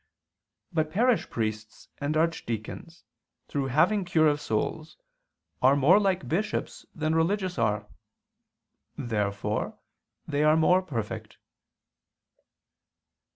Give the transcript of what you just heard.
But parish priests and archdeacons, through having cure of souls, are more like bishops than religious are. Therefore they are more perfect.